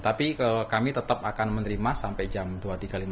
tapi kami tetap akan menerima sampai jam dua tiga lima puluh